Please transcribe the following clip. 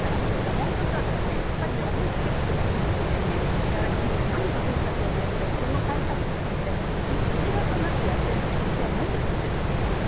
もう１つは、思い付きですぐ口にするしじっくりと政策を練ってこの対策について一丸となってやっているという姿勢をもうちょっと見せてほしいです。